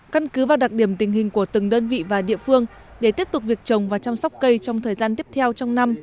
căn cứ vào đặc điểm tình hình của từng đơn vị và địa phương để tiếp tục việc trồng và chăm sóc cây trong thời gian tiếp theo trong năm